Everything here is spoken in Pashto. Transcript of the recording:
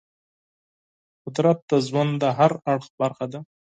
قدرت د ژوند د هر اړخ برخه ده.